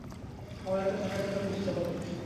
আমার একটা থাকার জায়গা খুঁজতে হবে।